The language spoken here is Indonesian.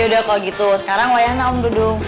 yaudah kalau gitu sekarang layan om dudung